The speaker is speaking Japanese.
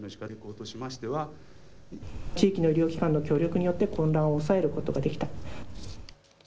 地域の医療機関の協力によって混乱を抑えることができた。